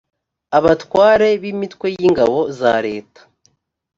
abatware b b imitwe y ingabo za leta